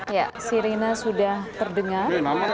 ya sirina sudah terdengar